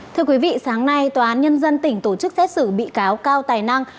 thưa quý vị sáng nay tòa án nhân dân tỉnh tổ chức xét xử bị cáo cao tài năng